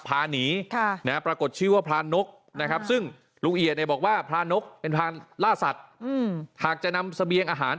พรานหนีนะครับ